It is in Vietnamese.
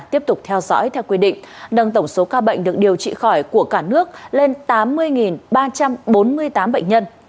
tiếp tục theo dõi theo quy định nâng tổng số ca bệnh được điều trị khỏi của cả nước lên tám mươi ba trăm bốn mươi tám bệnh nhân